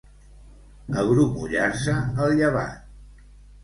Agrumollar-se el llevat.